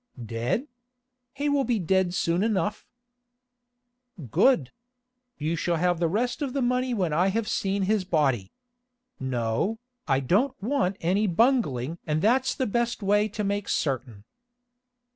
"Dead? He will be dead soon enough." "Good. You shall have the rest of the money when I have seen his body. No, I don't want any bungling and that's the best way to make certain."